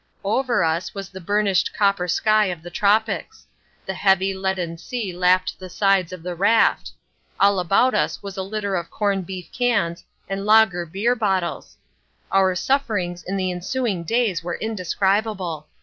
Over us was the burnished copper sky of the tropics. The heavy, leaden sea lapped the sides of the raft. All about us was a litter of corn beef cans and lager beer bottles. Our sufferings in the ensuing days were indescribable.